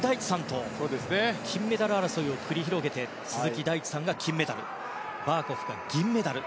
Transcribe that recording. と金メダル争いを繰り広げて鈴木大地さんが金メダルバーコフが銀メダル。